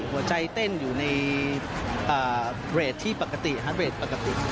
หัวใจเต้นอยู่ในเบรกที่ปกติฮัทเรทปกติ